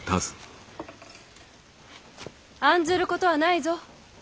案ずることはないぞ。